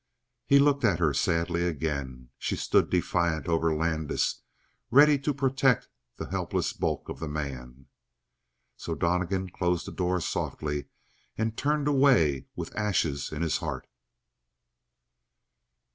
He looked at her sadly again. She stood defiant over Landis; ready to protect the helpless bulk of the man. So Donnegan closed the door softly and turned away with ashes in his heart.